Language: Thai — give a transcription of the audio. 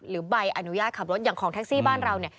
หรือใบอนุญาตขับรถอย่างของแท็กซี่บ้านเรา